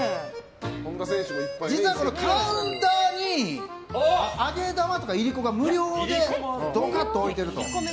実は、カウンターに揚げ玉とか、いりこが無料でどかっと置いてあると。